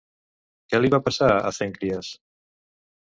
Què li va passar a Cèncrias?